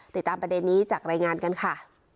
ติดตามประเด็นนี้จากรายงานกันค่ะ